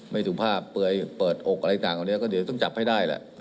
ไม่ถูกภาพเปื่อยเปิดอกอะไรต่างคือเดียวก็ยังต้องจับอยู่ได้ค่ะ